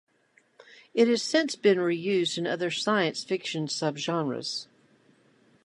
It has since been reused in other science fiction subgenres.